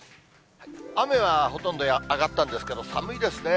雨はほとんど上がったんですけど、寒いですね。